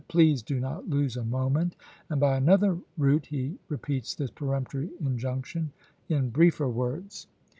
Please do not lose a moment," and by another route he repeats this peremptory injunction in briefer words.